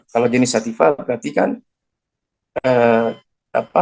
kalau jenis sativa berarti kan thc nya tinggi kalau berdasarkan literatur literatur yang kita baca